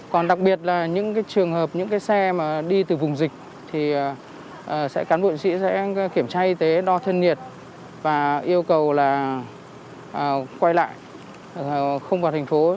còn đặc biệt là những trường hợp những xe đi từ vùng dịch thì cán bộ chiến sĩ sẽ kiểm tra y tế đo thân nhiệt và yêu cầu là quay lại không vào thành phố